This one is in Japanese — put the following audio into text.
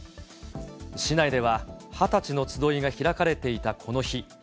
市内では、二十歳の集いが開かれていたこの日。